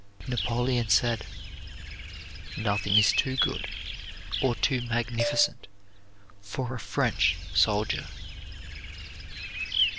Napoleon said, "Nothing is too good or too magnificent for a French soldier."